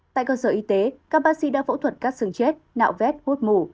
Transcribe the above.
tại cơ sở y tế các bác sĩ đã phẫu thuật các xương chết não vét hút mũ